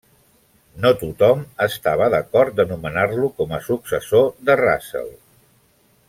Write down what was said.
No tothom estava d'acord de nomenar-lo com a successor de Russell.